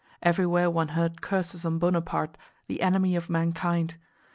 Everywhere one heard curses on Bonaparte, "the enemy of mankind."